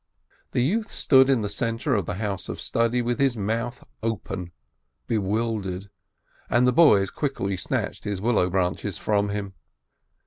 The youth stood in the centre of the house of study with his mouth open, bewildered, and the boys quickly snatched his willow branches from him.